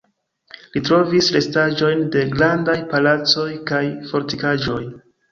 Li trovis restaĵojn de grandaj palacoj kaj fortikaĵoj.